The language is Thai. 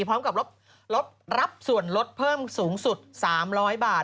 พร้อมกับรับส่วนลดเพิ่มสูงสุด๓๐๐บาท